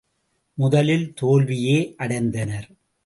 முதலில் தோல்வியே அடைந்தனர்.